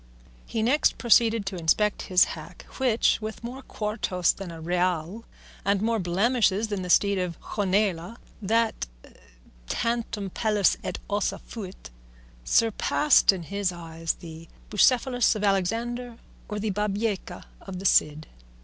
He next proceeded to inspect his hack, which, with more quartos than a real and more blemishes than the steed of Gonela, that "tantum pellis et ossa fuit," surpassed in his eyes the Bucephalus of Alexander or the Babieca of the Cid.